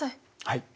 はい。